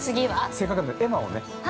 ◆せっかくなんで、絵馬をね。